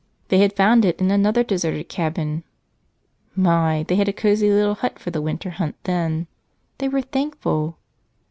They had found it in another deserted cabin. My! they had a cozy little hut for the winter hunt then. They were thankful.